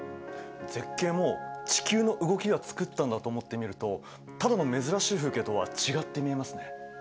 絶景も地球の動きが作ったんだと思って見るとただの珍しい風景とは違って見えますね。